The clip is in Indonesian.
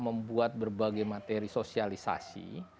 membuat berbagai materi sosialisasi